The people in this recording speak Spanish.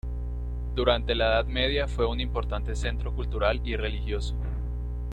Durante la Edad Media fue un importante centro cultural y religioso.